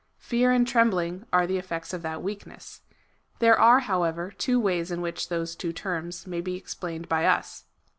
Fear and trembling are the effects of that weakness. There are, however, two ways in which these two terms may be explained by us.